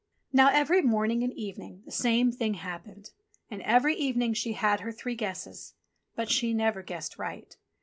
Now every morning and evening the same thing happened, and every evening she had her three guesses ; but she never guessed right.